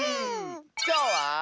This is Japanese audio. きょうは。